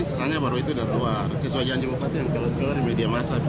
iya baru nanti sesuai janji bupati